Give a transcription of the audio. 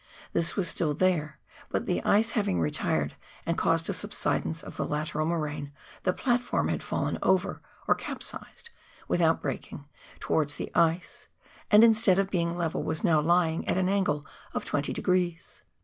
This was still there ; but, the ice having retired and caused a subsidence of the lateral moraine, the platform had fallen over, or capsized, without breaking, towards the ice, and, instead of being level, was now lying at an angle of 20 degrees.